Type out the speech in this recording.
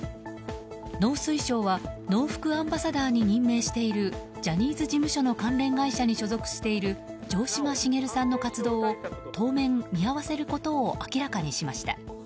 農水省はノウフクアンバサダーに任命しているジャニーズ事務所の関連会社に所属している城島茂さんの活動を当面、見合わせることを明らかにしました。